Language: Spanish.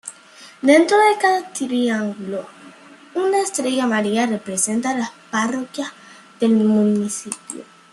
Dentro de cada triángulo, una estrella amarilla representa las parroquias del municipio.